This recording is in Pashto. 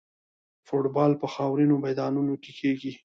فوټبال په خاورینو میدانونو کې کیږي.